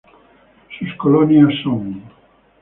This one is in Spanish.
Sus colonias son